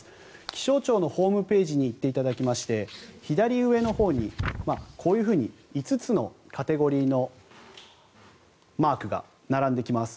気象庁のホームページに行っていただきまして左上のほうに、こういうふうに５つのカテゴリーのマークが並んできます。